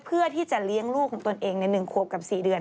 เพื่อที่จะเลี้ยงลูกของตนเองใน๑ขวบกับ๔เดือน